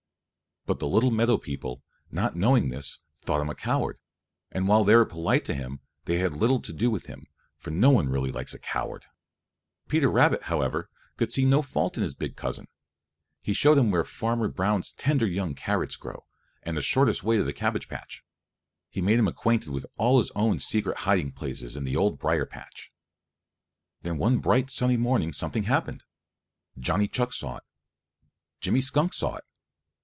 But the little meadow people, not knowing this, thought him a coward, and while they were polite to him they had little to do with him, for no one really likes a coward. Peter Rabbit, however, could see no fault in his big cousin. He showed him where Farmer Brown's tender young carrots grow, and the shortest way to the cabbage patch. He made him acquainted with all his own secret hiding places in the old brier patch. Then one bright sunny morning something happened. Johnny Chuck saw it. Jimmy Skunk saw it.